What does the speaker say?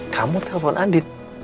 kamu telpon andin